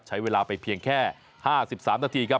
ใช้เวลาไปเพียงแค่๕๓นาทีครับ